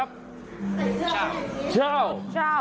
ขอบคุณมากค่ะ